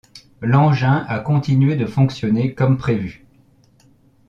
L'engin a continué de fonctionner comme prévu.